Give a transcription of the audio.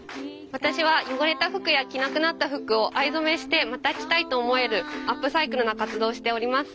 私は汚れた服や着なくなった服を藍染めしてまた着たいと思えるアップサイクルな活動をしております。